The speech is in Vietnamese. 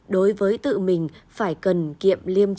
đối với tự mình phải cần kiệm liên minh